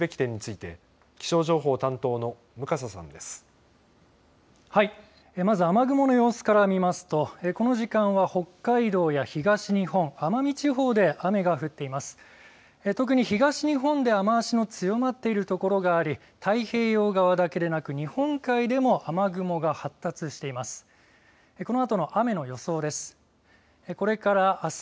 特に東日本で雨足が強まっている所があり太平洋側だけでなく日本海でも雨雲が発達しています。